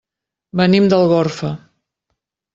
Venim d'Algorfa.